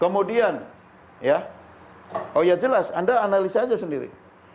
kemudian oh ya jelas anda analisa saja sendiri